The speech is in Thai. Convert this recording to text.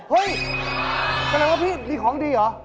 เฮ้ยแปลว่าพี่มีของดีเหรอ